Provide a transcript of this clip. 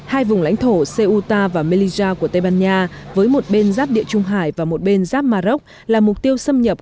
hai vùng lãnh thổ ceuta và melilla của tây ban nha với một bên giáp địa trung hải và một bên giáp mà rốc là mục tiêu xâm nhập